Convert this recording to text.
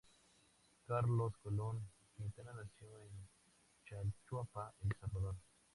Carlos Colón-Quintana nació en Chalchuapa, El Salvador.